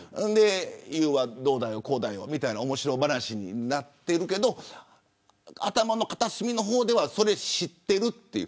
ユーはどうだよ、こうだよみたいな面白話になってるけど頭の片隅の方ではそれを知っているという。